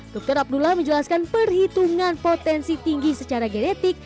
dr abdullah menjelaskan perhitungan potensi tinggi secara genetik